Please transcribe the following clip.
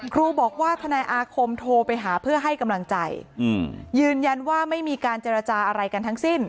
ครูบอกว่าทนายอาคมโทรไปหาเพื่อให้กำลังใจยืนยันว่าไม่มีการเจรจาอะไรกันทั้งสิ้น